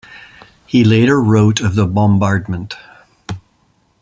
He later wrote of the bombardment.